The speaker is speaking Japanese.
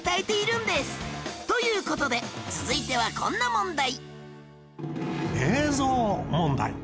という事で続いてはこんな問題